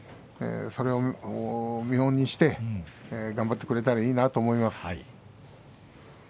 それを見本にして頑張ってくれたらいいなと思います。